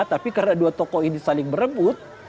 tapi karena dua tokoh ini saling berebut